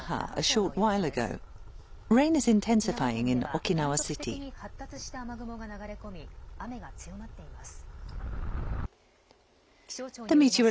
沖縄県では断続的に発達した雨雲が流れ込み、雨が強まっています。